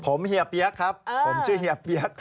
ผมเฮียเปี๊ยกครับผมชื่อเฮียเปี๊ยก